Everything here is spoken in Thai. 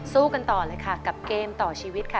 กันต่อเลยค่ะกับเกมต่อชีวิตค่ะ